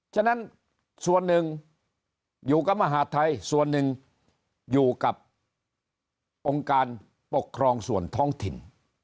ฉะนั้นส่วนหนึ่งอยู่กับมหาดไทยส่วนหนึ่งอยู่กับองค์การปกครองส่วนท้องถิ่น